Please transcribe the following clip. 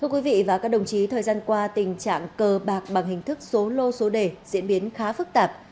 quý vị và các đồng chí thời gian qua tình trạng cờ bạc bằng hình thức số lô số đề diễn biến khá phức tạp